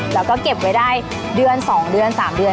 แล้วก็เก็บไว้ได้เดือน๒เดือน๓เดือน